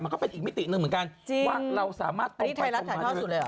มันก็เป็นอีกมิติหนึ่งเหมือนกันจริงว่าเราสามารถไทรรัสถ่ายเท่าสุดเลยหรอ